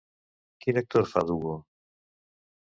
Quin actor fa d'Hugo?